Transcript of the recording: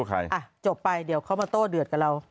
ก็เอาอันตรีต่อไปเดี๋ยวเขามาโต้เดือดกับเรา